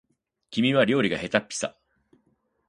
君は料理がへたっぴさ